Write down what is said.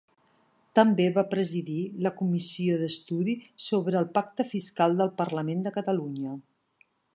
També va presidir la comissió d'estudi sobre el Pacte Fiscal del Parlament de Catalunya.